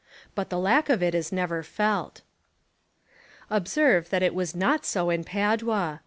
But the lack of it is never felt. Observe that it was not so in Padua.